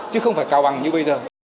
chứ không phải cao bằng như bây giờ